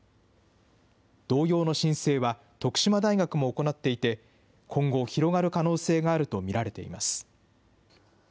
同様の申請は徳島大学も行っていて、今後、広がる可能性があると見られています。